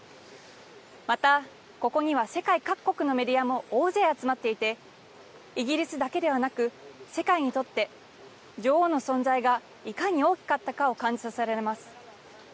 またここには世界各国のメディアも大勢集まっていてイギリスだけではなく世界にとって女王の存在がいかに大きかったかを感じさせられます。